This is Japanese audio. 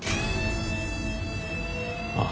ああ。